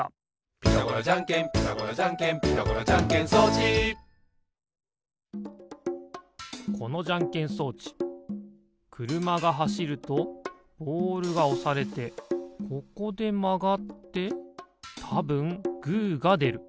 「ピタゴラじゃんけんピタゴラじゃんけん」「ピタゴラじゃんけん装置」このじゃんけん装置くるまがはしるとボールがおされてここでまがってたぶんグーがでる。